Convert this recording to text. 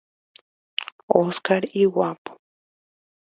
Oscar iguápo.